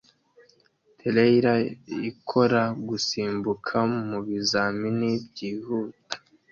Terrier ikora gusimbuka mubizamini byihuta